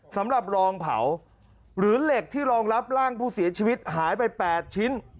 สำหรับรองเผาหรือเหล็กที่รองรับร่างผู้เสียชีวิตหายไป๘ชิ้น